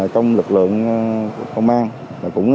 trong lực lượng công an